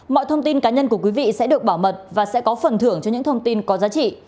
mọi thông tin cá nhân của quý vị sẽ được bảo mật và sẽ có phần thưởng cho những thông tin có giá trị